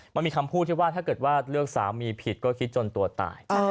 มันมีคำพูดที่ว่าถ้าเกิดว่าเลือกสามีผิดก็คิดจนตัวตาย